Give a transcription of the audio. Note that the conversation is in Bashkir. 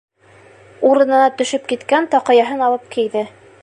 Урынына төшөп киткән таҡыяһын алып кейҙе.